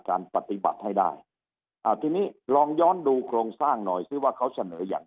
การปฏิบัติให้ได้อาวุธรลองย้อนดูโครงสร้างหน่อยคือว่าเขาเสนอยังไง